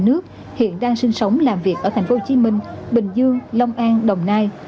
tỉnh thành trong cả nước hiện đang sinh sống làm việc ở tp hcm bình dương long an đồng nai